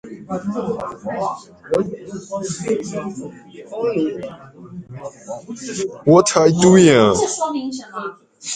中华民国是位于东亚地区的民主共和国